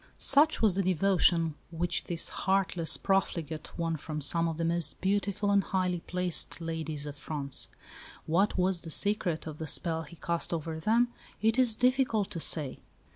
Such was the devotion which this heartless profligate won from some of the most beautiful and highly placed ladies of France. What was the secret of the spell he cast over them it is difficult to say.